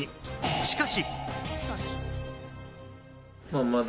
しかし。